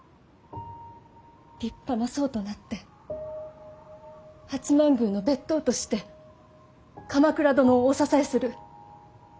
立派な僧となって八幡宮の別当として鎌倉殿をお支えする。